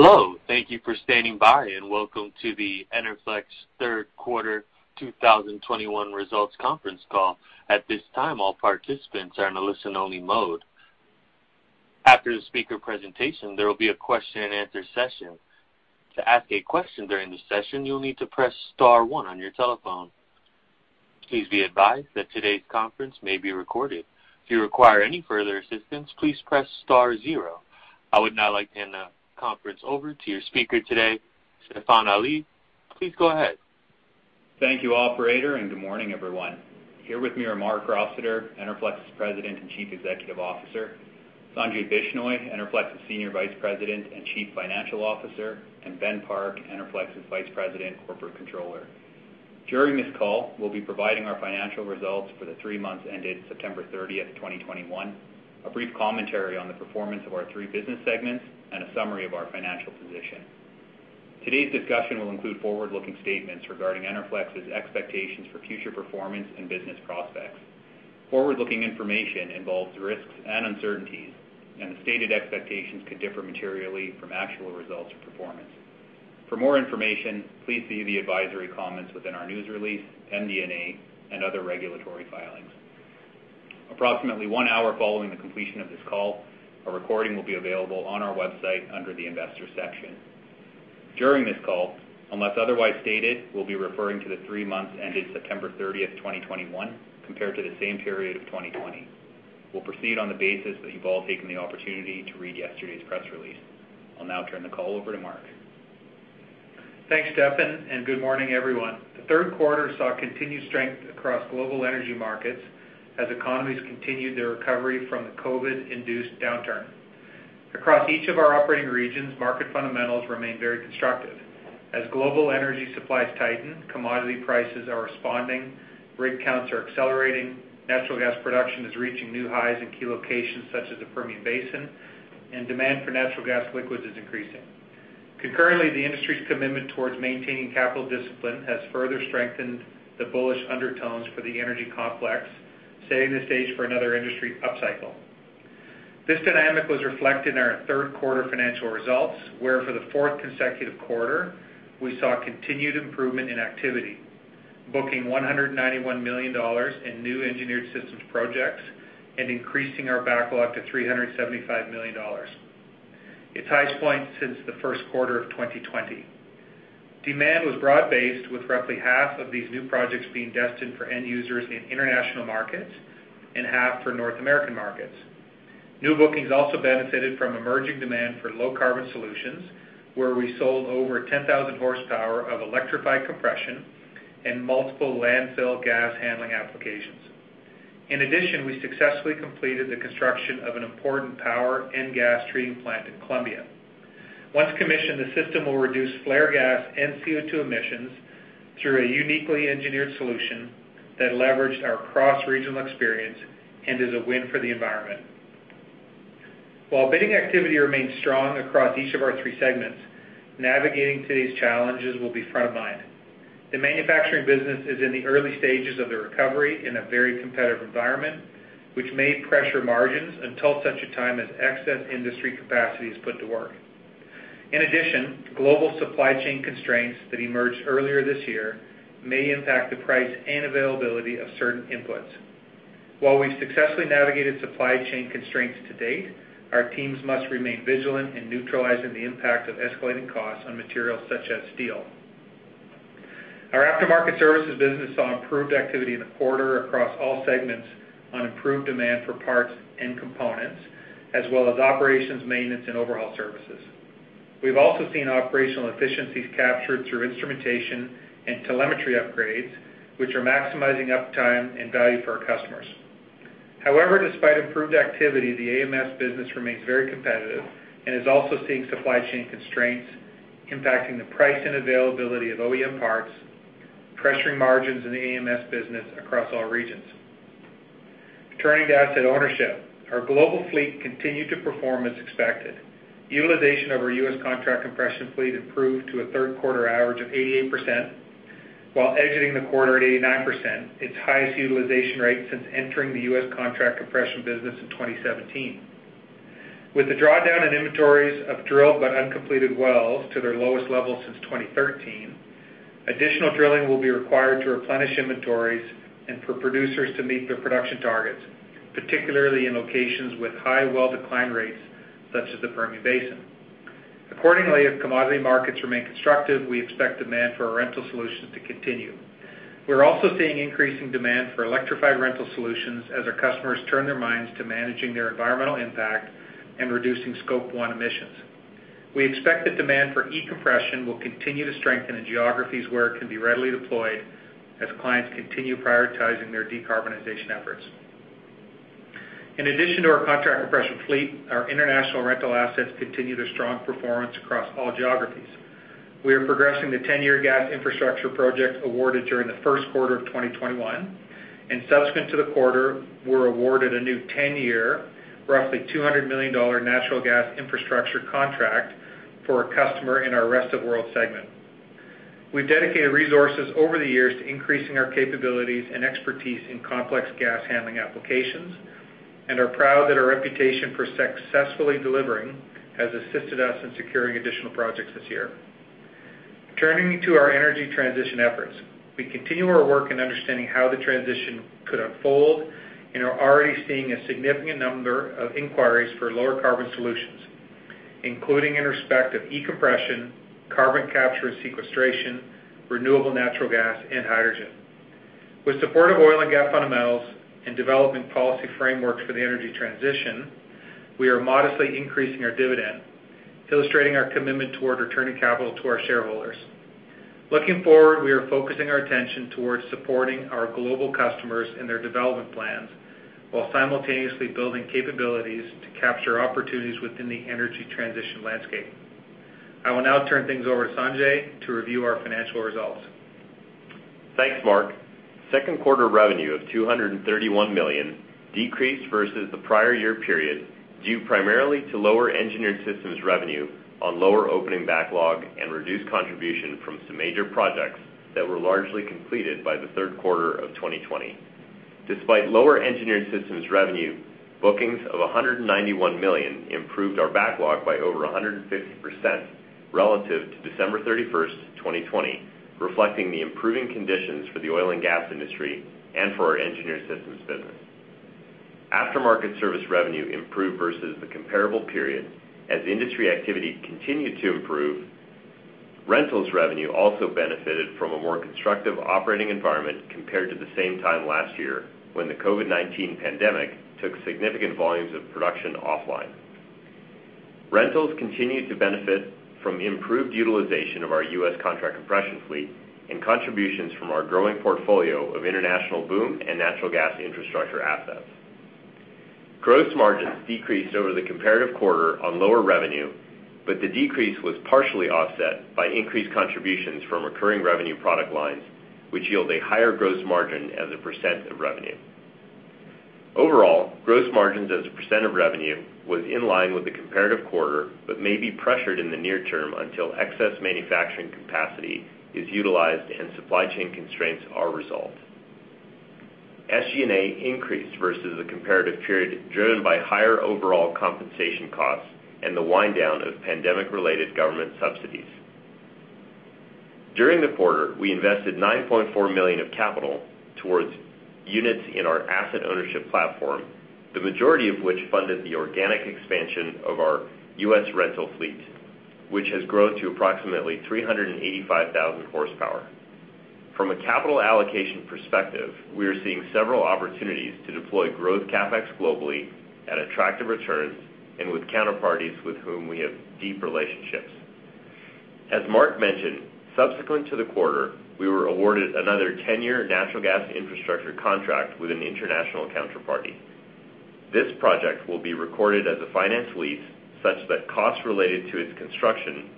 Hello, thank you for standing by, and welcome to the Enerflex third quarter 2021 results conference call. At this time, all participants are in a listen-only mode. After the speaker presentation, there will be a question-and-answer session. To ask a question during the session, you'll need to press star one on your telephone. Please be advised that today's conference may be recorded. If you require any further assistance, please press star zero. I would now like to hand the conference over to your speaker today, Stefan Ali. Please go ahead. Thank you operator, and good morning, everyone. Here with me are Marc Rossiter, Enerflex's President and Chief Executive Officer, Sanjay Bishnoi, Enerflex's Senior Vice President and Chief Financial Officer, and Ben Park, Enerflex's Vice President, Corporate Controller. During this call, we'll be providing our financial results for the three months ended September 30th, 2021, a brief commentary on the performance of our three business segments and a summary of our financial position. Today's discussion will include forward-looking statements regarding Enerflex's expectations for future performance and business prospects. Forward-looking information involves risks and uncertainties, and the stated expectations could differ materially from actual results or performance. For more information, please see the advisory comments within our news release, MD&A, and other regulatory filings. Approximately one hour following the completion of this call, a recording will be available on our website under the Investors section. During this call, unless otherwise stated, we'll be referring to the three months ended September 30th, 2021, compared to the same period of 2020. We'll proceed on the basis that you've all taken the opportunity to read yesterday's press release. I'll now turn the call over to Marc. Thanks, Stefan, and good morning, everyone. The third quarter saw continued strength across global energy markets as economies continued their recovery from the COVID-induced downturn. Across each of our operating regions, market fundamentals remain very constructive. As global energy supplies tighten, commodity prices are responding, rig counts are accelerating, natural gas production is reaching new highs in key locations, such as the Permian Basin, and demand for natural gas liquids is increasing. Concurrently, the industry's commitment towards maintaining capital discipline has further strengthened the bullish undertones for the energy complex, setting the stage for another industry upcycle. This dynamic was reflected in our third quarter financial results, where for the fourth consecutive quarter, we saw continued improvement in activity, booking 191 million dollars in new Engineered Systems projects and increasing our backlog to 375 million dollars, its highest point since the first quarter of 2020. Demand was broad-based, with roughly half of these new projects being destined for end users in international markets and half for North American markets. New bookings also benefited from emerging demand for low-carbon solutions, where we sold over 10,000 horsepower of electrified compression and multiple landfill gas handling applications. In addition, we successfully completed the construction of an important power and gas treating plant in Colombia. Once commissioned, the system will reduce flare gas and CO2 emissions through a uniquely engineered solution that leveraged our cross-regional experience and is a win for the environment. While bidding activity remains strong across each of our three segments, navigating today's challenges will be front of mind. The manufacturing business is in the early stages of the recovery in a very competitive environment, which may pressure margins until such a time as excess industry capacity is put to work. In addition, global supply chain constraints that emerged earlier this year may impact the price and availability of certain inputs. While we successfully navigated supply chain constraints to date, our teams must remain vigilant in neutralizing the impact of escalating costs on materials such as steel. Our After-Market Services business saw improved activity in the quarter across all segments on improved demand for parts and components, as well as operations, maintenance, and overhaul services. We've also seen operational efficiencies captured through instrumentation and telemetry upgrades, which are maximizing uptime and value for our customers. However, despite improved activity, the AMS business remains very competitive and is also seeing supply chain constraints impacting the price and availability of OEM parts, pressuring margins in the AMS business across all regions. Turning to asset ownership, our global fleet continued to perform as expected. Utilization of our U.S. contract compression fleet improved to a third quarter average of 88%, while exiting the quarter at 89%, its highest utilization rate since entering the U.S. contract compression business in 2017. With the drawdown in inventories of drilled but uncompleted wells to their lowest level since 2013, additional drilling will be required to replenish inventories and for producers to meet their production targets, particularly in locations with high well decline rates, such as the Permian Basin. Accordingly, if commodity markets remain constructive, we expect demand for our rental solutions to continue. We're also seeing increasing demand for electrified rental solutions as our customers turn their minds to managing their environmental impact and reducing scope one emissions. We expect the demand for e-compression will continue to strengthen in geographies where it can be readily deployed as clients continue prioritizing their decarbonization efforts. In addition to our contract compression fleet, our international rental assets continue their strong performance across all geographies. We are progressing the 10-year gas infrastructure project awarded during the first quarter of 2021, and subsequent to the quarter, we're awarded a new 10-year, roughly $200 million natural gas infrastructure contract for a customer in our Rest of World segment. We've dedicated resources over the years to increasing our capabilities and expertise in complex gas handling applications and are proud that our reputation for successfully delivering has assisted us in securing additional projects this year. Turning to our energy transition efforts, we continue our work in understanding how the transition could unfold and are already seeing a significant number of inquiries for lower carbon solutions, including in respect of e-compression, carbon capture and sequestration, renewable natural gas, and hydrogen. With supportive oil and gas fundamentals and development policy frameworks for the energy transition, we are modestly increasing our dividend, illustrating our commitment toward returning capital to our shareholders. Looking forward, we are focusing our attention towards supporting our global customers in their development plans while simultaneously building capabilities to capture opportunities within the energy transition landscape. I will now turn things over to Sanjay to review our financial results. Thanks, Marc. Second quarter revenue of 231 million decreased versus the prior year period, due primarily to lower Engineered Systems revenue on lower opening backlog and reduced contribution from some major projects that were largely completed by the third quarter of 2020. Despite lower Engineered Systems revenue, bookings of 191 million improved our backlog by over 150% relative to December 31st, 2020, reflecting the improving conditions for the oil and gas industry and for our Engineered Systems business. Aftermarket Services revenue improved versus the comparable period as industry activity continued to improve. Rentals revenue also benefited from a more constructive operating environment compared to the same time last year when the COVID-19 pandemic took significant volumes of production offline. Rentals continued to benefit from improved utilization of our U.S. contract compression fleet and contributions from our growing portfolio of international BOOM and natural gas infrastructure assets. Gross margins decreased over the comparative quarter on lower revenue, but the decrease was partially offset by increased contributions from recurring revenue product lines, which yield a higher gross margin as a % of revenue. Overall, gross margins as a % of revenue was in line with the comparative quarter, but may be pressured in the near term until excess manufacturing capacity is utilized and supply chain constraints are resolved. SG&A increased versus the comparative period, driven by higher overall compensation costs and the wind down of pandemic-related government subsidies. During the quarter, we invested 9.4 million of capital towards units in our asset ownership platform, the majority of which funded the organic expansion of our U.S. rental fleet, which has grown to approximately 385,000 horsepower. From a capital allocation perspective, we are seeing several opportunities to deploy growth CapEx globally at attractive returns and with counterparties with whom we have deep relationships. As Marc mentioned, subsequent to the quarter, we were awarded another 10-year natural gas infrastructure contract with an international counterparty. This project will be recorded as a finance lease such that costs related to its construction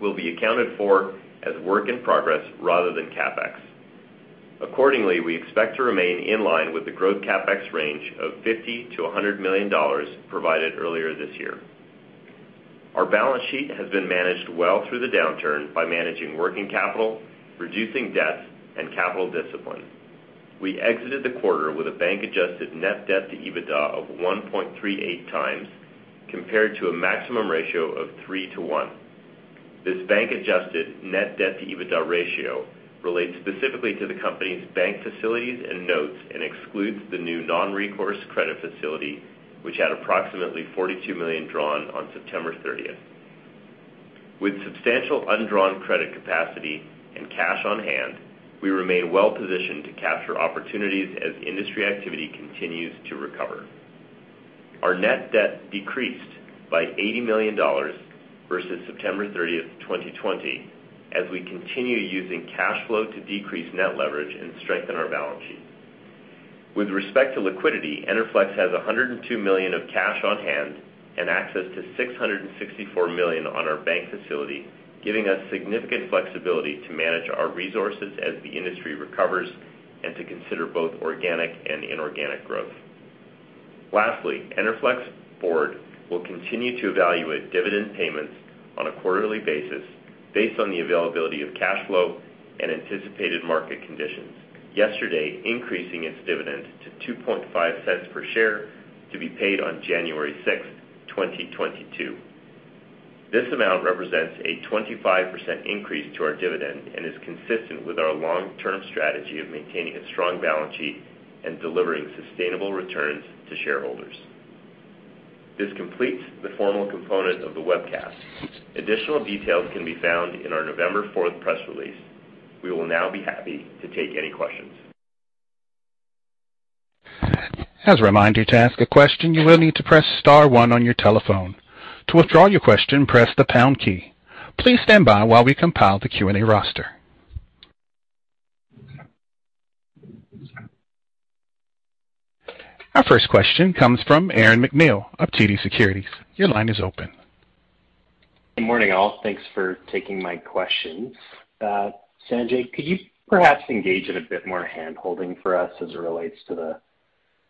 will be accounted for as work in progress rather than CapEx. Accordingly, we expect to remain in line with the growth CapEx range of 50 million-100 million dollars provided earlier this year. Our balance sheet has been managed well through the downturn by managing working capital, reducing debt, and capital discipline. We exited the quarter with a bank-adjusted net debt to EBITDA of 1.38x, compared to a maximum ratio of 3:1. This bank-adjusted net debt to EBITDA ratio relates specifically to the company's bank facilities and notes and excludes the new non-recourse credit facility, which had approximately 42 million drawn on September 30. With substantial undrawn credit capacity and cash on hand, we remain well positioned to capture opportunities as industry activity continues to recover. Our net debt decreased by 80 million dollars versus September 30th, 2020, as we continue using cash flow to decrease net leverage and strengthen our balance sheet. With respect to liquidity, Enerflex has 102 million of cash on hand and access to 664 million on our bank facility, giving us significant flexibility to manage our resources as the industry recovers and to consider both organic and inorganic growth. Lastly, Enerflex Board will continue to evaluate dividend payments on a quarterly basis based on the availability of cash flow and anticipated market conditions, yesterday increasing its dividend to 0.025 per share to be paid on January 6, 2022. This amount represents a 25% increase to our dividend and is consistent with our long-term strategy of maintaining a strong balance sheet and delivering sustainable returns to shareholders. This completes the formal component of the webcast. Additional details can be found in our November 4th press release. We will now be happy to take any questions. Our first question comes from Aaron MacNeil of TD Securities. Your line is open. Good morning, all. Thanks for taking my questions. Sanjay, could you perhaps engage in a bit more handholding for us as it relates to the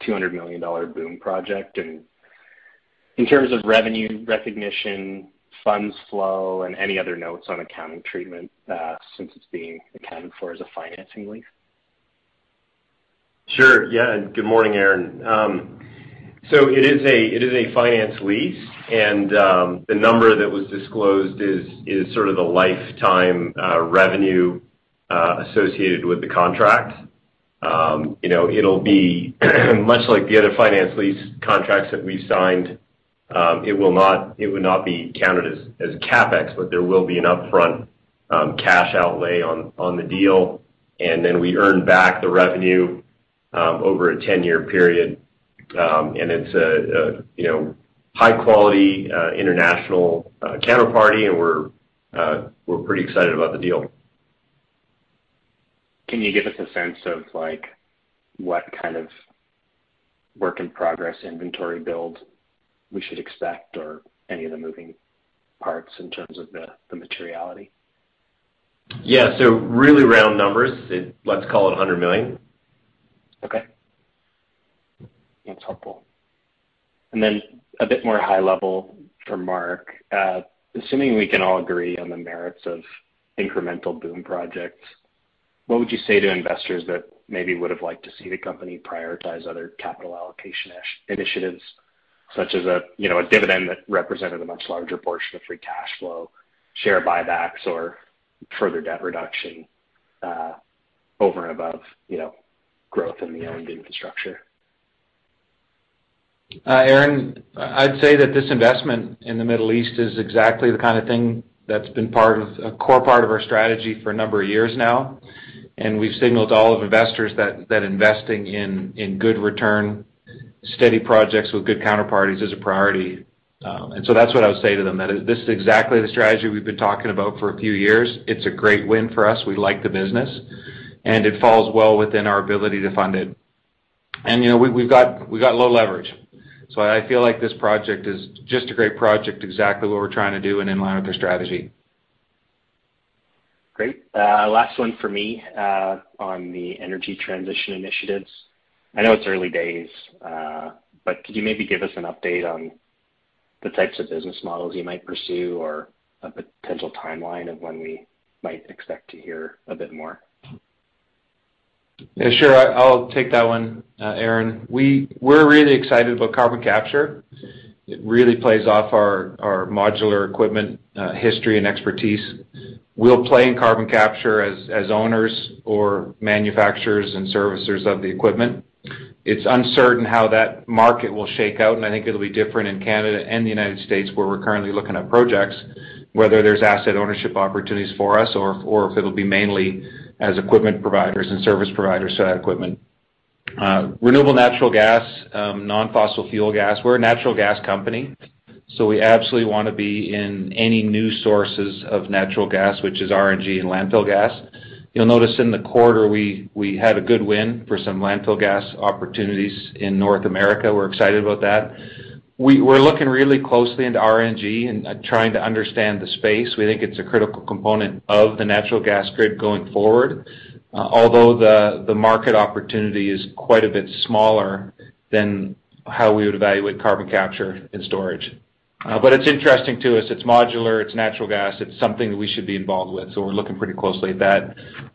200 million dollar BOOM project and in terms of revenue recognition, funds flow, and any other notes on accounting treatment, since it's being accounted for as a financing lease. Sure. Yeah, good morning, Aaron. So it is a finance lease, and the number that was disclosed is sort of the lifetime revenue associated with the contract. You know, it'll be much like the other finance lease contracts that we've signed. It would not be counted as CapEx, but there will be an upfront cash outlay on the deal, and then we earn back the revenue over a 10-year period. And it's a you know, high quality international counterparty and we're pretty excited about the deal. Can you give us a sense of, like, what kind of work in progress inventory build we should expect or any of the moving parts in terms of the materiality? Yeah. Really round numbers, let's call it 100 million. Okay. That's helpful. Then a bit more high level for Marc. Assuming we can all agree on the merits of incremental BOOM projects, what would you say to investors that maybe would've liked to see the company prioritize other capital allocation initiatives such as a, you know, a dividend that represented a much larger portion of free cash flow, share buybacks or further debt reduction, over and above, you know, growth in the Energy Infrastructure? Aaron, I'd say that this investment in the Middle East is exactly the kind of thing that's been part of a core part of our strategy for a number of years now. We've signaled to all of investors that investing in good return steady projects with good counterparties is a priority. That's what I would say to them, that this is exactly the strategy we've been talking about for a few years. It's a great win for us. We like the business and it falls well within our ability to fund it. You know, we've got low leverage, so I feel like this project is just a great project, exactly what we're trying to do and in line with our strategy. Great. Last one for me, on the energy transition initiatives. I know it's early days, but could you maybe give us an update on the types of business models you might pursue or a potential timeline of when we might expect to hear a bit more? Yeah, sure. I'll take that one, Aaron. We're really excited about carbon capture. It really plays off our modular equipment history and expertise. We'll play in carbon capture as owners or manufacturers and servicers of the equipment. It's uncertain how that market will shake out, and I think it'll be different in Canada and the United States, where we're currently looking at projects, whether there's asset ownership opportunities for us or if it'll be mainly as equipment providers and service providers to that equipment. Renewable natural gas, non-fossil fuel gas. We're a natural gas company, so we absolutely wanna be in any new sources of natural gas, which is RNG and landfill gas. You'll notice in the quarter we had a good win for some landfill gas opportunities in North America. We're excited about that. We're looking really closely into RNG and trying to understand the space. We think it's a critical component of the natural gas grid going forward, although the market opportunity is quite a bit smaller than how we would evaluate carbon capture and storage. But it's interesting to us. It's modular, it's natural gas, it's something we should be involved with, so we're looking pretty closely at that.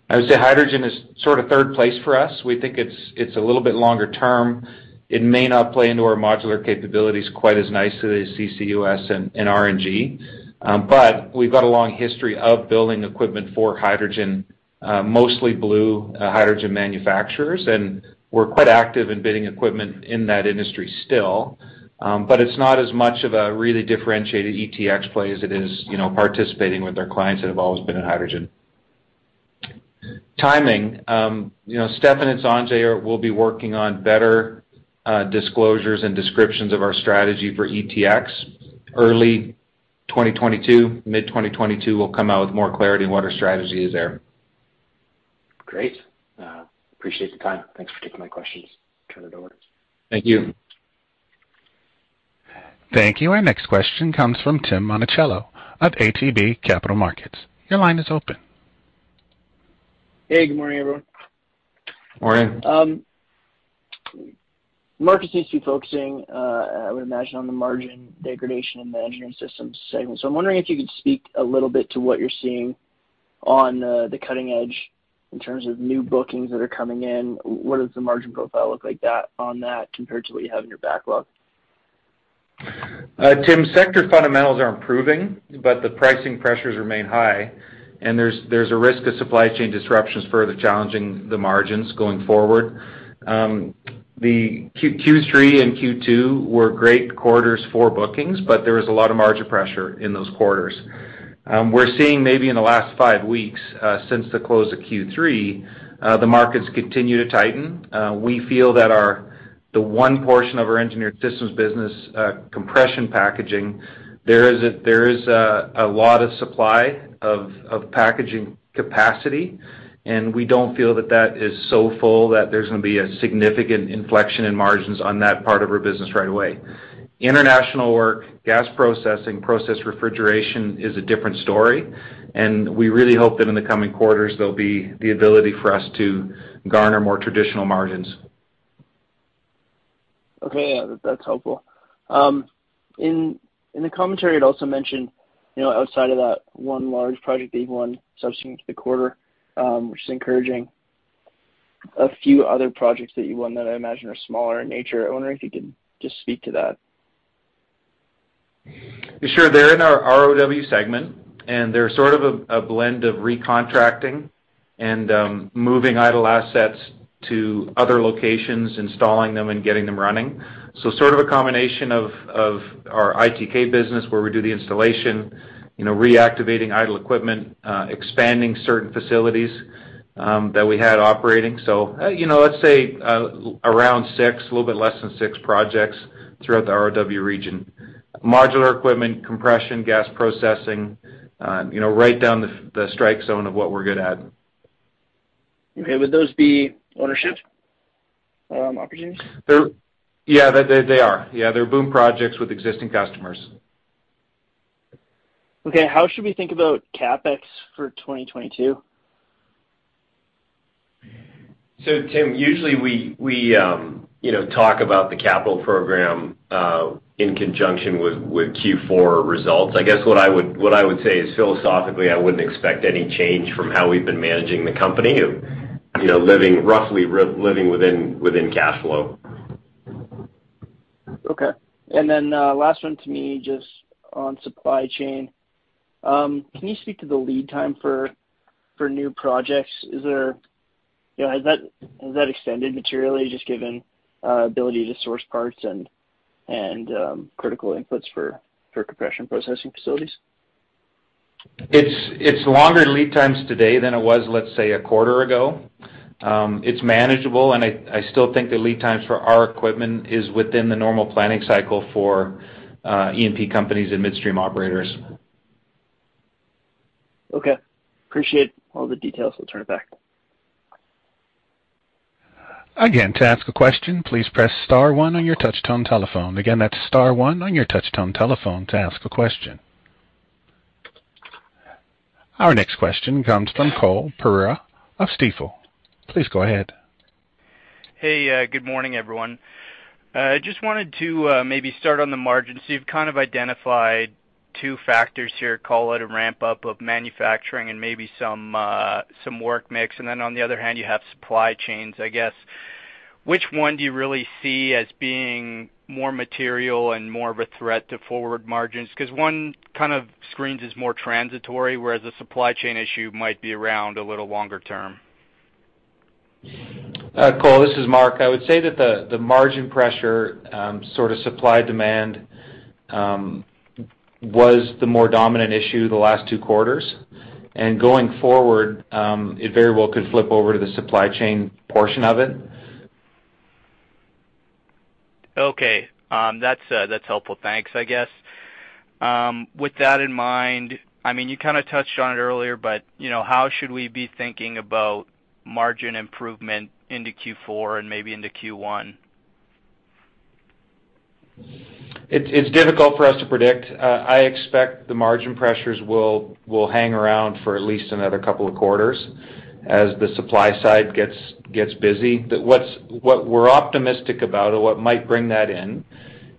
I would say hydrogen is sort of third place for us. We think it's a little bit longer term. It may not play into our modular capabilities quite as nicely as CCUS and RNG. But we've got a long history of building equipment for hydrogen, mostly blue hydrogen manufacturers, and we're quite active in bidding equipment in that industry still. It's not as much of a really differentiated ETX play as it is, you know, participating with our clients that have always been in hydrogen. Timing, you know, Stefan and Sanjay will be working on better disclosures and descriptions of our strategy for ETX. Early 2022, mid-2022, we'll come out with more clarity on what our strategy is there. Great. Appreciate the time. Thanks for taking my questions. Turn it over. Thank you. Thank you. Our next question comes from Tim Monachello of ATB Capital Markets. Your line is open. Hey, good morning, everyone. Morning. Marc seems to be focusing, I would imagine, on the margin degradation in the Engineered Systems segment. I'm wondering if you could speak a little bit to what you're seeing on the cutting edge in terms of new bookings that are coming in. What does the margin profile look like on that compared to what you have in your backlog? Tim, sector fundamentals are improving, but the pricing pressures remain high and there's a risk of supply chain disruptions further challenging the margins going forward. The Q3 and Q2 were great quarters for bookings, but there was a lot of margin pressure in those quarters. We're seeing maybe in the last five weeks, since the close of Q3, the markets continue to tighten. We feel that our, the one portion of our Engineered Systems business, compression packaging, there is a lot of supply of packaging capacity, and we don't feel that is so full that there's gonna be a significant inflection in margins on that part of our business right away. International work, gas processing, process refrigeration is a different story, and we really hope that in the coming quarters there'll be the ability for us to garner more traditional margins. Okay, that's helpful. In the commentary, it also mentioned, you know, outside of that one large project that you've won subsequent to the quarter, which is encouraging a few other projects that you won that I imagine are smaller in nature. I wonder if you could just speak to that. Sure. They're in our ROW segment, and they're sort of a blend of recontracting and moving idle assets to other locations, installing them and getting them running. Sort of a combination of our ITK business where we do the installation, you know, reactivating idle equipment, expanding certain facilities that we had operating. You know, let's say around six, a little bit less than six projects throughout the ROW region. Modular equipment, compression, gas processing, you know, right down the strike zone of what we're good at. Okay. Would those be ownership opportunities? Yeah, they are. Yeah, they're BOOM projects with existing customers. Okay. How should we think about CapEx for 2022? Tim, usually we you know talk about the capital program in conjunction with Q4 results. I guess what I would say is philosophically, I wouldn't expect any change from how we've been managing the company of you know living roughly living within cash flow. Okay, last one to me, just on supply chain. Can you speak to the lead time for new projects? You know, has that extended materially just given ability to source parts and critical inputs for compression processing facilities? It's longer lead times today than it was, let's say, a quarter ago. It's manageable, and I still think the lead times for our equipment is within the normal planning cycle for E&P companies and midstream operators. Okay. Appreciate all the details. I'll turn it back. Our next question comes from Cole Pereira of Stifel. Please go ahead. Hey, good morning, everyone. Just wanted to maybe start on the margins. You've kind of identified two factors here, call it a ramp-up of manufacturing and maybe some work mix. On the other hand, you have supply chains, I guess. Which one do you really see as being more material and more of a threat to forward margins? 'Cause one kind of seems more transitory, whereas the supply chain issue might be around a little longer term. Cole, this is Marc. I would say that the margin pressure, sort of supply-demand, was the more dominant issue the last two quarters. Going forward, it very well could flip over to the supply chain portion of it. Okay. That's helpful. Thanks, I guess. With that in mind, I mean, you kinda touched on it earlier, but, you know, how should we be thinking about margin improvement into Q4 and maybe into Q1? It's difficult for us to predict. I expect the margin pressures will hang around for at least another couple of quarters as the supply side gets busy. What we're optimistic about or what might bring that in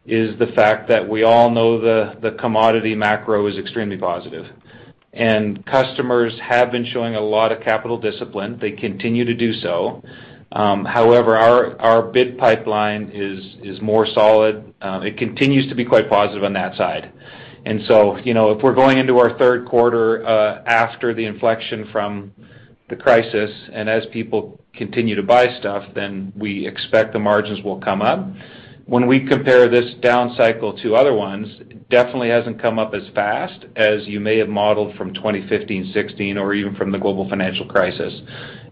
is the fact that we all know the commodity macro is extremely positive. Customers have been showing a lot of capital discipline. They continue to do so. However, our bid pipeline is more solid. It continues to be quite positive on that side. You know, if we're going into our third quarter, after the inflection from the crisis, and as people continue to buy stuff, then we expect the margins will come up. When we compare this down cycle to other ones, it definitely hasn't come up as fast as you may have modeled from 2015, 2016, or even from the global financial crisis.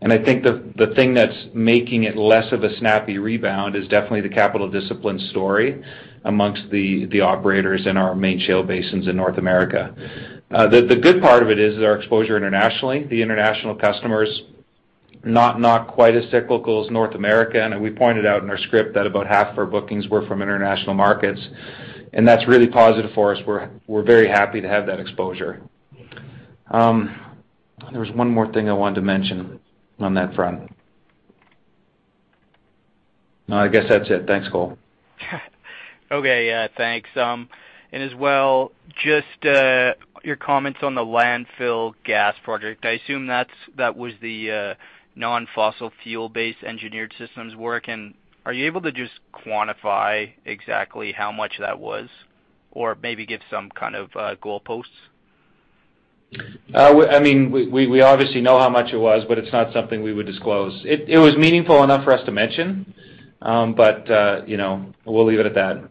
I think the thing that's making it less of a snappy rebound is definitely the capital discipline story amongst the operators in our main shale basins in North America. The good part of it is our exposure internationally. The international customers are not quite as cyclical as North America. We pointed out in our script that about half of our bookings were from international markets, and that's really positive for us. We're very happy to have that exposure. There was one more thing I wanted to mention on that front. No, I guess that's it. Thanks, Cole. Okay. Yeah, thanks. As well, just your comments on the landfill gas project. I assume that was the non-fossil fuel-based Engineered Systems work. Are you able to just quantify exactly how much that was or maybe give some kind of goalposts? We obviously know how much it was, but it's not something we would disclose. It was meaningful enough for us to mention, but you know, we'll leave it at that.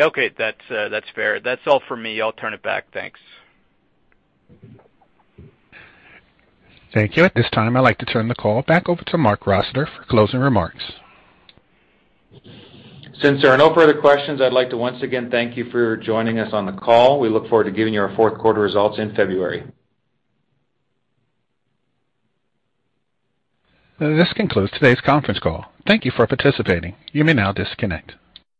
Okay. That's fair. That's all for me. I'll turn it back. Thanks. Thank you. At this time, I'd like to turn the call back over to Marc Rossiter for closing remarks. Since there are no further questions, I'd like to once again thank you for joining us on the call. We look forward to giving you our fourth quarter results in February. This concludes today's conference call. Thank you for participating. You may now disconnect.